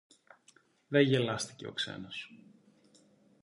Δε γελάστηκε ο ξένος